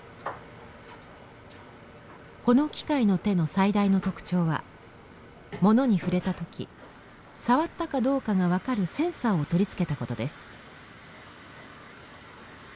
この機械の手の最大の特徴は物に触れた時触ったかどうかが分かるセンサーを取り付けたことです。